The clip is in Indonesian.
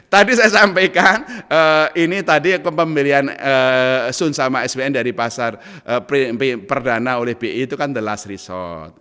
tadi saya sampaikan ini tadi pembelian sun sama sbn dari pasar perdana oleh bi itu kan the last resort